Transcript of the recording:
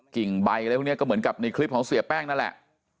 กิ่งใบอะไรพวกนี้ก็เหมือนกับในคลิปของเสียแป้งนั่นแหละ